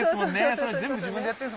それ全部自分でやってるんですもんね。